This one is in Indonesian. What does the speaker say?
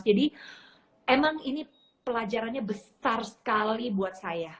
jadi emang ini pelajarannya besar sekali buat saya